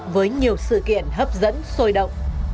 với nhiều sự kiện hấp dẫn sôi động